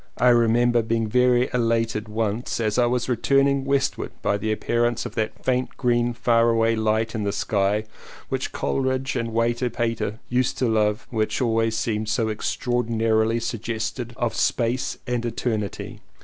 I remember being very elated once as I was returning westward by the appearance of that faint green faraway light in the sky, which Coleridge and Walter Pater used to love and which always seems so extraor dinarily suggestive of Space and Eternity.